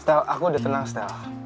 stel aku udah tenang stel